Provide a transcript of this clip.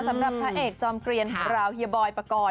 สำหรับพระเอกจอมเกลียนของเราเฮียบอยปกรณ์